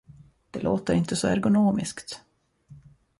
Det låter inte så ergonomiskt?